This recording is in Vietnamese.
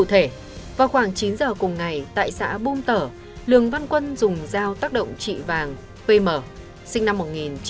cụ thể vào khoảng chín giờ cùng ngày tại xã bum tở lường văn quân dùng dao tác động trị vàng sinh năm một nghìn chín trăm chín mươi bốn